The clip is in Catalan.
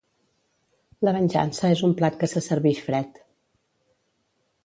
La venjança és un plat que se servix fred.